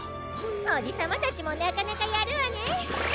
おじさまたちもなかなかやるわね。